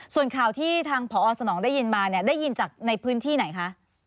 ส่วนข่าวที่ทางพอสนองได้ยินมาเนี่ยได้ยินจากในพื้นที่ไหนคะ